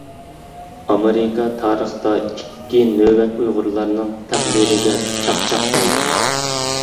ئامېرىكا تارىختا ئىككى نۆۋەت ئۇيغۇرلارنىڭ تەقدىرىگە چاقچاق قىلدى.